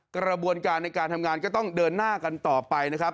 กระบวนการในการทำงานก็ต้องเดินหน้ากันต่อไปนะครับ